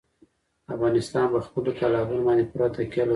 افغانستان په خپلو تالابونو باندې پوره تکیه لري.